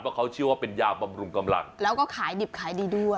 เพราะเขาเชื่อว่าเป็นยาบำรุงกำลังแล้วก็ขายดิบขายดีด้วย